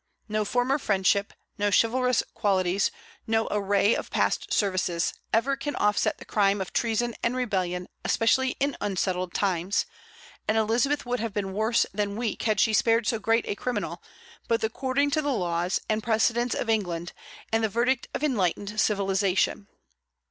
No former friendship, no chivalrous qualities, no array of past services, ever can offset the crime of treason and rebellion, especially in unsettled times; and Elizabeth would have been worse than weak had she spared so great a criminal, both according to the laws and precedents of England and the verdict of enlightened civilization.